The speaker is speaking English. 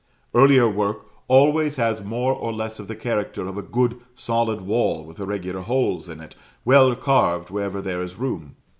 Earlier work always has more or less of the character of a good solid wall with irregular holes in it, well carved wherever there is room.